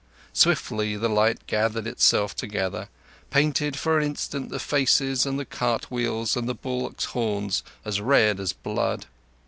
Swiftly the light gathered itself together, painted for an instant the faces and the cartwheels and the bullocks' horns as red as blood.